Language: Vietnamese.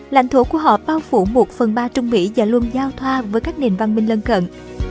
lãnh thổ của họ bao phủ một phần ba trung mỹ và luôn giao thoa với các nền văn minh lân cận